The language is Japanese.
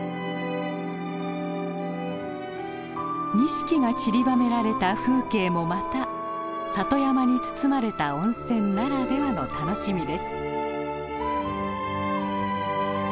錦が散りばめられた風景もまた里山に包まれた温泉ならではの楽しみです。